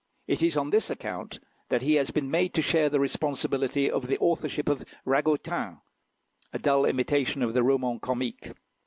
It is on this account that he has been made to share the responsibility of the authorship of "Ragotin," a dull imitation of the "Roman Comique."